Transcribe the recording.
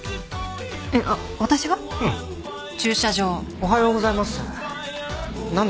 おはようございます。